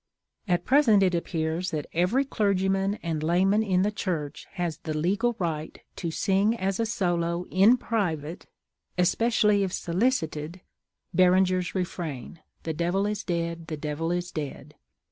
At present it appears that every clergyman and layman in the Church has the legal right to sing as a solo in private, especially if solicited, Beranger's refrain, "_The Devil is dead! The Devil is dead!